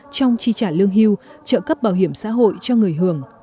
trong chi trả lương hưu trợ cấp bảo hiểm xã hội cho người hưởng